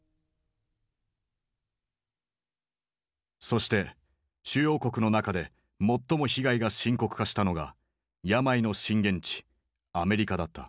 そして主要国の中で最も被害が深刻化したのが病の震源地アメリカだった。